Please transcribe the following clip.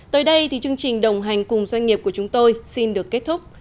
tới đây thì chương trình đồng hành cùng doanh nghiệp của chúng tôi xin được kết thúc